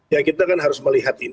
ya kita kan harus melihat ini